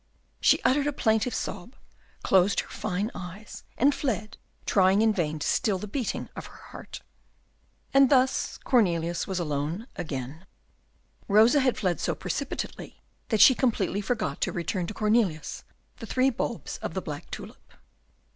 She uttered a plaintive sob, closed her fine eyes, and fled, trying in vain to still the beating of her heart. And thus Cornelius was again alone. Rosa had fled so precipitately, that she completely forgot to return to Cornelius the three bulbs of the Black Tulip.